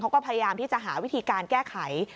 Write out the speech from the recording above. พยายามที่จะหาวิธีการแก้ไข